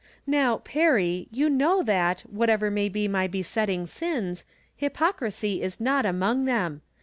Now, Perry, you know that, whatever may be my besetting sins, hypocrisy is not among them.